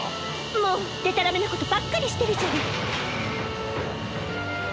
もうでたらめなことばっかりしてるじゃない。